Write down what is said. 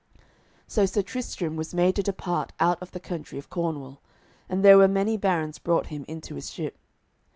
So Sir Tristram was made to depart out of the country of Cornwall, and there were many barons brought him into his ship.